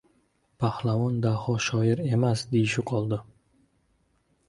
Pahlavon Daho shoir emas, deyishi qoldi!